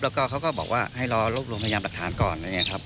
แล้วก็เขาก็บอกว่าให้รอโรคโรงพยายามหลักฐานก่อน